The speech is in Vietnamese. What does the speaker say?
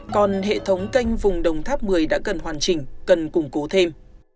còn hệ thống canh vùng đồng tháp mười đã cần hoàn chỉnh cần củng cố thêm